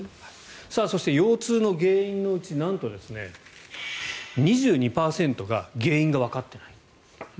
そして、腰痛の原因のうちなんと２２％が原因がわかってない。